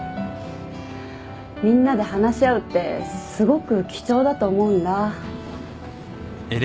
みんなで話し合うってすごく貴重だと思うんだ。